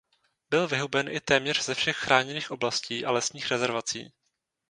Byl vyhuben i téměř ze všech chráněných oblastí a lesních rezervací.